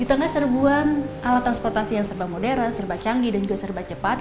di tengah serbuan alat transportasi yang serba modern serba canggih dan juga serba cepat